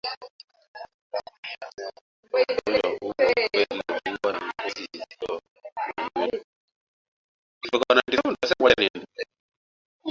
Ngamia aliyeambukizwa ugonjwa huu wa upele huwa na ngozi isiyo na nywele